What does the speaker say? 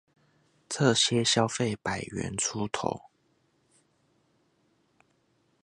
這裡些消費百元出頭